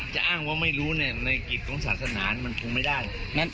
จะอ้างว่าไม่รู้ในกิจของศาสนามันคงไม่ได้